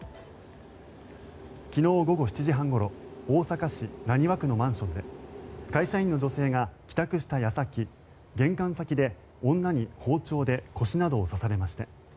昨日午後７時半ごろ大阪市浪速区のマンションで会社員の女性が帰宅した矢先玄関先で女に包丁で腰などを刺されました。